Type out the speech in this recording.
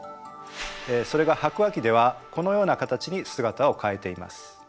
それが白亜紀ではこのような形に姿を変えています。